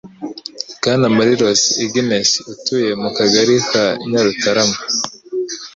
bwana malirosi ignace utuye mu kagari ka nyarutarama